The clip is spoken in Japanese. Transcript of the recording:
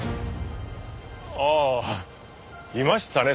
ああいましたね